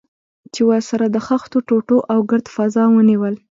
چې ورسره د خښتو ټوټو او ګرد فضا ونیول.